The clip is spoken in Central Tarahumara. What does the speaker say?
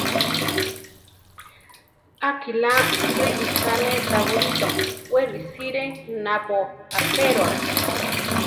A kilá riʼíchane tá buríto; we risíre napó apéroa.